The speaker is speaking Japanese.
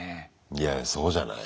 いやそうじゃない？